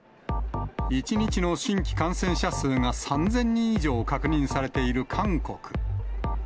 １日の新規感染者数が３０００人以上確認されている韓国。